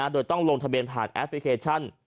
โดยต้องลงทะเบียนผ่านแอปพลิเคชัน